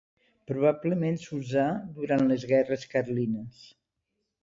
Probablement s'usà durant les guerres carlines.